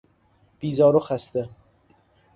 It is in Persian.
بیزار و خسته